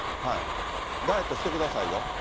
ダイエットしてくださいよ。